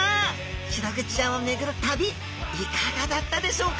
シログチちゃんを巡る旅いかがだったでしょうか？